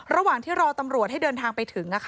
ระหว่างที่รอตำรวจให้เดินทางไปถึง